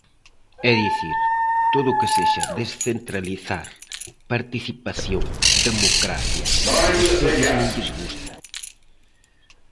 É dicir, todo o que sexa descentralizar, participación, democracia, a vostedes non lles gusta.